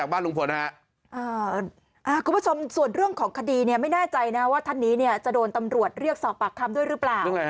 คุณผู้ชมส่วนเรื่องของคดีเนี่ยไม่แน่ใจนะว่าท่านนี้จะโดนตำรวจเรียกสอบปากคำด้วยหรือเปล่า